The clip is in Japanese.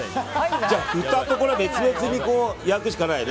じゃあ、ふたとこれ別々にこう焼くしかないね。